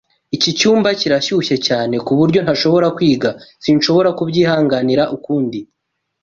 Iki cyumba kirashyushye cyane ku buryo ntashobora kwiga. Sinshobora kubyihanganira ukundi.